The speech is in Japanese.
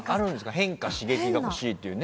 変化、刺激が欲しいっていう。